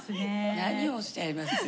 何をおっしゃいます。